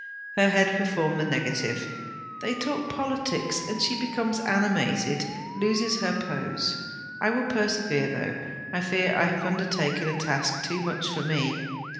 Her head performed the negative. 'They talk politics, and she becomes animated, loses her pose. I will persevere, though I fear I have undertaken a task too much for me.'